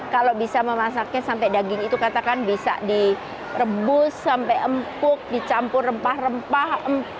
kalau bisa memasaknya sampai daging itu katakan bisa direbus sampai empuk dicampur rempah rempah